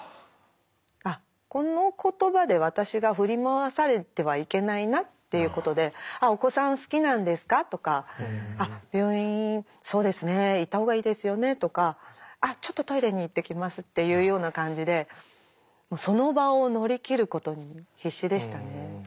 あっこの言葉で私が振り回されてはいけないなっていうことで「お子さん好きなんですか？」とか「病院そうですね行ったほうがいいですよね」とか「あっちょっとトイレに行ってきます」っていうような感じでその場を乗り切ることに必死でしたね。